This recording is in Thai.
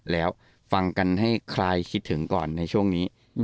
แล้วฟังกันให้คลายคิดถึงก่อนในช่วงนี้